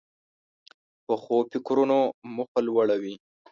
پخو فکرونو موخه لوړه وي